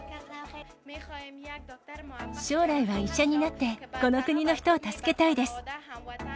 将来は医者になって、この国の人を助けたいです。